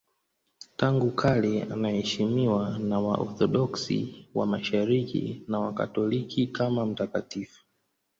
Tangu kale anaheshimiwa na Waorthodoksi wa Mashariki na Wakatoliki kama mtakatifu.